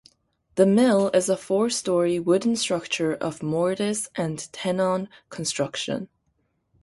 The mill is a four-story wooden structure of mortise and tenon construction.